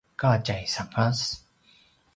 ka tjaisangas